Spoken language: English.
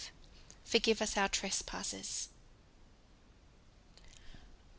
"FORGIVE US OUR TRESPASSES."